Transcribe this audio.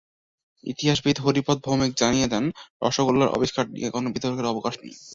ইতিহাসবিদ হরিপদ ভৌমিক জানিয়ে দেন, রসগোল্লার আবিষ্কার নিয়ে কোনো বিতর্কের অবকাশ নেই।